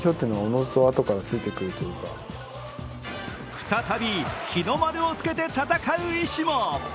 再び日の丸をつけて戦う意思も。